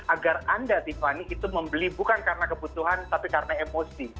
agar anda tiffany itu membeli bukan karena kebutuhan tapi karena emosi